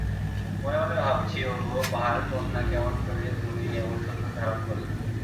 মনে মনে ভাবছি ওগো পাহাড়-কন্যা কেমন করে তুমি এমন সুন্দর ধারণ করলে।